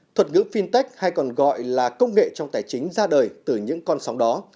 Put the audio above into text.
thuật ngữ fintech hay còn gọi là công nghệ trong tài chính ra đời từ những con sóng đó